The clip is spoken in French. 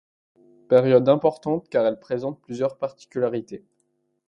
Période importante car elle présente plusieurs particularités.